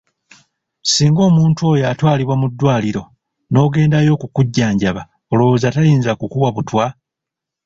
Singa omuntu oyo atwalibwa mu ddwaliro, n'ogendayo okukujjanjaba, olowooza tayinza kukuwa obutwa ?